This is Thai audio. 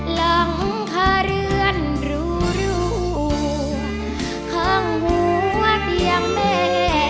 หลังคาเรือนรูข้างหัวเตียงแม่